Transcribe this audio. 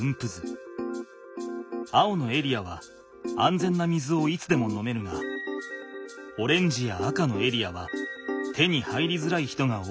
青のエリアは安全な水をいつでも飲めるがオレンジや赤のエリアは手に入りづらい人が多い地域だ。